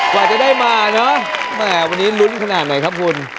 กว่าจะได้มาเนอะแหมวันนี้ลุ้นขนาดไหนครับคุณ